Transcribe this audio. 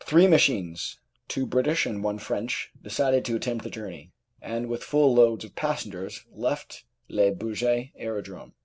Three machines, two British and one French, decided to attempt the journey, and with full loads of passengers left Le Bourget aerodrome.